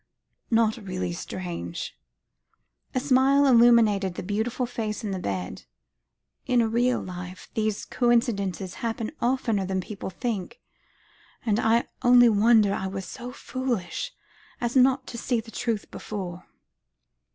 "Not really strange"; a smile illuminated the beautiful face in the bed; "in real life these coincidences happen oftener than people think, and I only wonder I was so foolish as not to see the truth before."